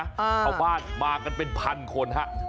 ชาวบ้านมากันเป็นพันคนครับ